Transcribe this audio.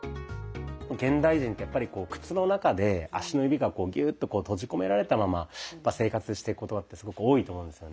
現代人ってやっぱり靴の中で足の指がこうギューッと閉じ込められたまま生活してることってすごく多いと思うんですよね。